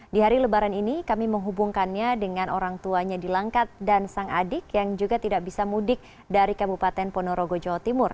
di hari lebaran ini kami menghubungkannya dengan orang tuanya di langkat dan sang adik yang juga tidak bisa mudik dari kabupaten ponorogo jawa timur